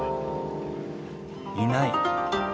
いない。